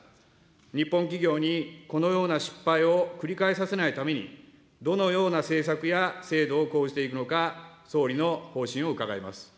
日本企業にこのような失敗を繰り返させないために、どのような政策や制度を講じていくのか、総理の方針を伺います。